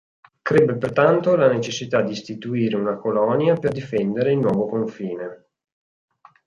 Crebbe pertanto la necessità di istituire una colonia per difendere il nuovo confine.